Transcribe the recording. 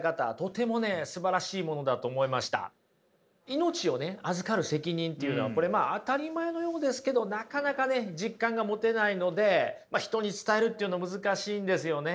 命を預かる責任というのはこれ当たり前のようですけどなかなか実感が持てないので人に伝えるっていうの難しいんですよね。